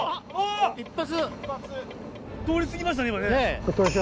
通り過ぎましたね今ね。